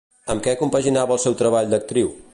Amb què compaginava el seu treball d'actriu?